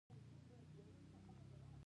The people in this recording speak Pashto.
آزاد تجارت مهم دی ځکه چې واکسینونه رسوي.